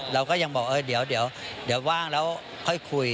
เราก็ยังบอกเดี๋ยวว่างแล้วค่อยคุย